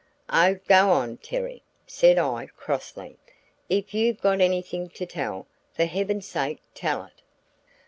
"Oh, go on, Terry," said I, crossly, "if you've got anything to tell, for heaven's sake tell it!"